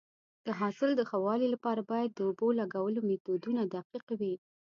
د حاصل د ښه والي لپاره باید د اوبو لګولو میتودونه دقیق وي.